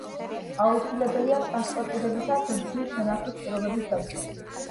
აუცილებელია, ტრანსპორტირებისას რძის შენახვის პირობების დაცვა.